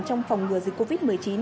trong phòng ngừa dịch covid một mươi chín